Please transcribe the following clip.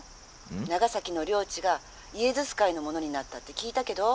長崎の領地がイエズス会のものになったって聞いたけど？」。